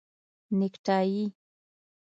👔 نیکټایې